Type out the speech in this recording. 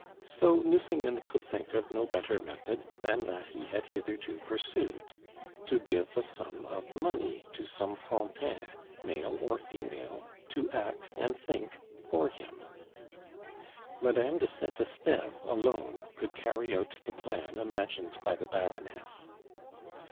So Nucingen could think of no better method than that he had hitherto pursued to give a sum of money to some Frontin, male or female, to act and think for him. Madame de Saint Esteve alone could carry out the plan imagined by the Baroness.